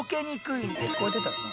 聞こえてたよね。